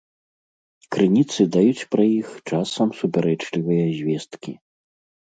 Крыніцы даюць пра іх часам супярэчлівыя звесткі.